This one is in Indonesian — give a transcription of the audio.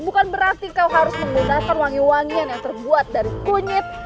bukan berarti kau harus menggunakan wangi wangian yang terbuat dari kunyit